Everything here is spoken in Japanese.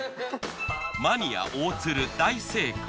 マニア大鶴大正解。